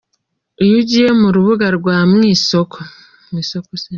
Iyo ugiye ku rubuga rwa Mwisoko.